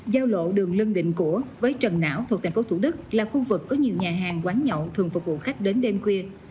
giao lộ đường lưng định của với trần não thuộc thành phố thủ đức là khu vực có nhiều nhà hàng quán nhậu thường phục vụ khách đến đêm khuya